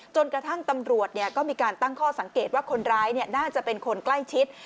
จนกระทั่งตำรวจก็มีการตั้งข้อสังเกตว่าคนร้ายน่าจะเป็นคนใกล้ชิด